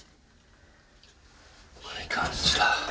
いい感じだ。